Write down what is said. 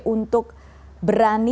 untuk berani menetapkan fs sebagai tersangka